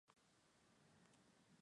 Profesor de Literatura.